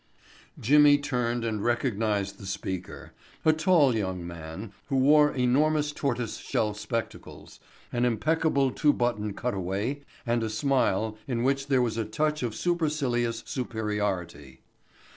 Jimmy turned and recognized the speaker, a tall young man who wore enormous tortoise shell spectacles, an impeccable two button cutaway and a smile in which there was a touch of supercilious superiority.